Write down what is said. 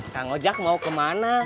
kang ojak mau kemana